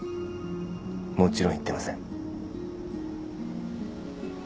もちろん言ってません。